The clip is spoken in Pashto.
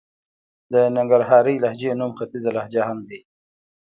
د ننګرهارۍ لهجې نوم ختيځه لهجه هم دئ.